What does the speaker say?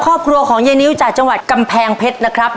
ครอบครัวของยายนิ้วจากจังหวัดกำแพงเพชรนะครับ